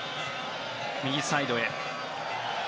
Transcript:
右サイドへ。